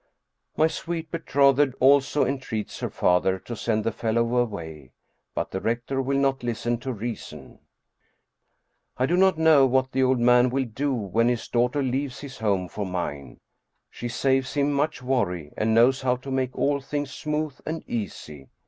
My sweet betrothed also en treats her father to send the fellow away, but the rec tor will not listen to reason. I do not know what the old man will do when his daughter leaves his home for mine. She saves him much worry and knows how to make all things smooth and easy.